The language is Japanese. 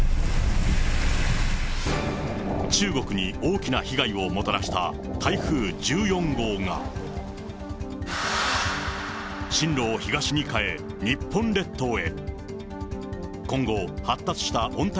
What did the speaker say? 中国に大きな被害をもたらした台風１４号が、進路を東に変え、日本列島へ。